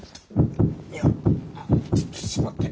いやあちょちょっと待って。